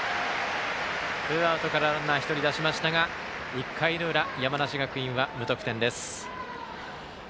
ツーアウトからランナー１人、出しましたが１回の裏、山梨学院は無得点です。